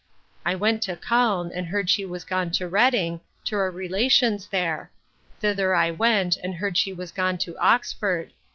I went to Calne, and heard she was gone to Reading, to a relation's there. Thither I went, and heard she was gone to Oxford.